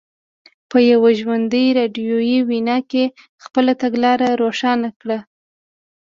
په یوه ژوندۍ راډیویي وینا کې خپله تګلاره روښانه کړه.